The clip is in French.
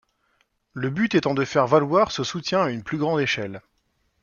Le but étant de faire valoir ce soutien à une plus grande échelle.